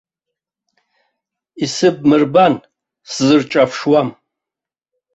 Исыбмырбан, сзырҿаԥшуам.